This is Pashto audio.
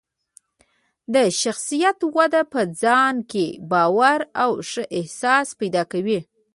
د شخصیت وده په ځان کې باور او ښه احساس پیدا کوي.